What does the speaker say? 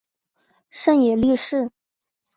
胜野莉世。